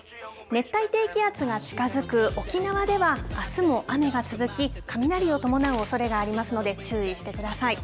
熱帯低気圧が近づく沖縄ではあすも雨が続き、雷を伴うおそれがありますので、注意してください。